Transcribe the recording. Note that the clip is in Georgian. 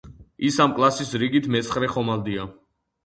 ის ამ კლასის რიგით მეცხრე ხომალდია.